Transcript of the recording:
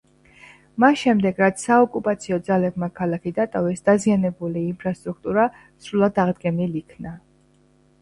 მას შემდეგ რაც საოკუპაციო ძალებმა ქალაქი დატოვეს დაზიანებული ინფრასტრუქტურა სრულად აღდგენილ იქნა.